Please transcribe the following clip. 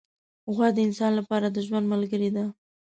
غوا د انسان لپاره د ژوند ملګرې ده.